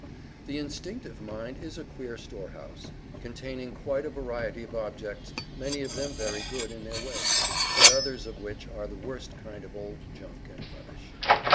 The Instinctive Mind is a queer storehouse, containing quite a variety of objects, many of them very good in their way, but others of which are the worst kind of old junk and rubbish.